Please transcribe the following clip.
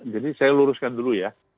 jadi saya luruskan dulu ya